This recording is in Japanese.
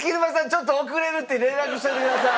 ちょっと遅れるって連絡しといてください！